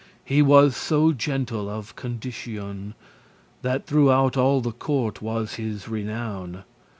He was so gentle of conditioun, That throughout all the court was his renown.